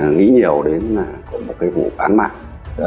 nghĩ nhiều đến một vụ bán mạng